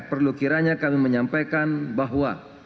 perlu kiranya kami menyampaikan bahwa